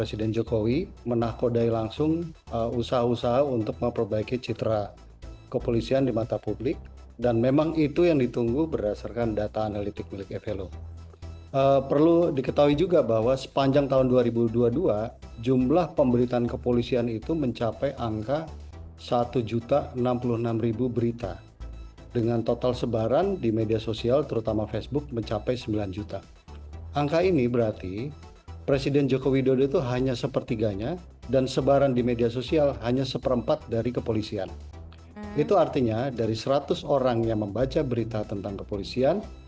itu artinya dari seratus orang yang membaca berita tentang kepolisian